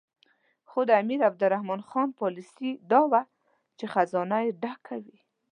خو د امیر عبدالرحمن خان پالیسي دا وه چې خزانه یې ډکه وي.